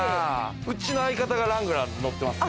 うちの相方がラングラー乗ってますけどね。